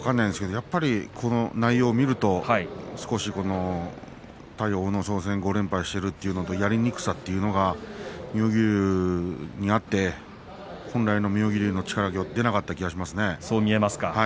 やっぱりこの内容を見ると少し対阿武咲戦、５連敗しているというやりにくさというのは妙義龍にあって本来の妙義龍の力が出なかった気がします。